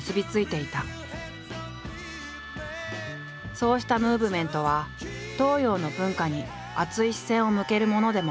そうしたムーブメントは東洋の文化に熱い視線を向けるものでもあった。